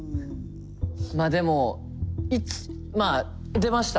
まあでもまあ出ました